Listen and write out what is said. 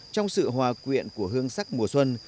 trong sự hòa quyện của hương sắc mùa xuân